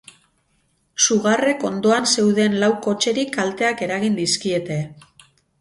Sugarrek ondoan zeuden lau kotxeri kalteak eragin dizkiete.